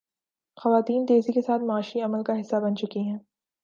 خواتین تیزی کے ساتھ معاشی عمل کا حصہ بن چکی ہیں۔